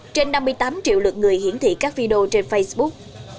trên năm mươi tám triệu lượt người hiển thị các video trên facebook